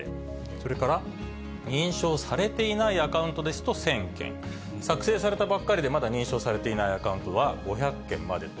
それから認証されていないアカウントですと１０００件、作成されたばっかりでまだ認証されていないアカウントは５００件までと。